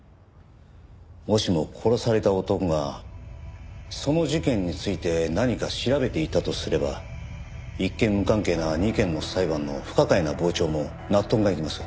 もしも殺された男がその事件について何か調べていたとすれば一見無関係な２件の裁判の不可解な傍聴も納得がいきます。